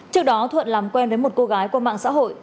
trước đó thuận làm quen với một cô gái qua mạng xã hội